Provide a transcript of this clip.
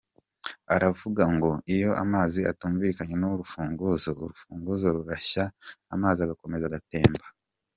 Aravuga ngo “Iyo amazi atumvikanye n’ urufunzo, urufunzo rurashya amazi agakomeza agatemba”.